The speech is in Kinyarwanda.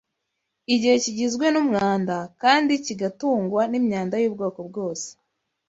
igihe kigizwe n’umwanda kandi kigatungwa n’imyanda y’ubwoko bwose